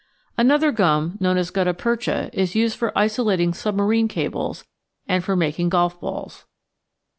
Another gum known as gutta percha is used for isolating submarine cables and making golf balls.